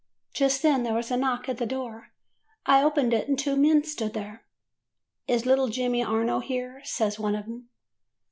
"Just then there was a knock at the door. I opened it, and two men stood there. "'Is little Jemmy Arno here?' says one of 'em.